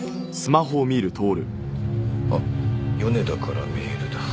あっ米田からメールだ。